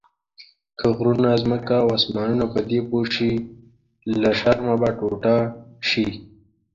که غرونه، ځمکه او اسمانونه پدې پوه شي له شرمه به ټوټه شي.